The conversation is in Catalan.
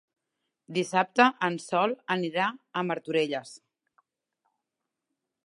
Dissabte en Sol anirà a Martorelles.